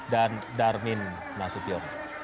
dan darmin masutio